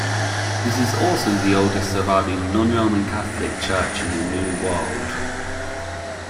This is also the oldest surviving non-Roman Catholic church in the New World.